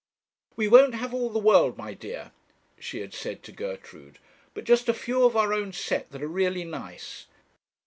'We won't have all the world, my dear,' she had said to Gertrude, 'but just a few of our own set that are really nice.